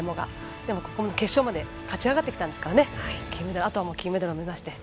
でも決勝まで勝ち上がってきましたからあとは金メダルを目指して。